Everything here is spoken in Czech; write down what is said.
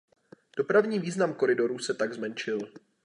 Dopravní význam koridoru se tak zmenšil.